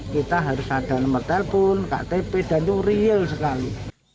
kita harus ada nomor telepon ktp dan itu real sekali